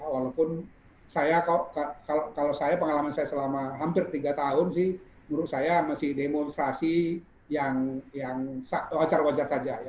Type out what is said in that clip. walaupun saya kalau saya pengalaman saya selama hampir tiga tahun sih menurut saya masih demonstrasi yang wajar wajar saja